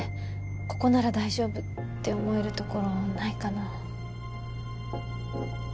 ここなら大丈夫って思える所ないかな？